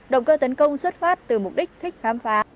động cơ tấn công xuất phát từ mục đích thích khám phá